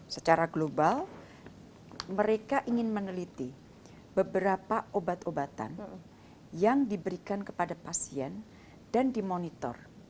secara global mereka ingin meneliti beberapa obat obatan yang diberikan kepada pasien dan dimonitor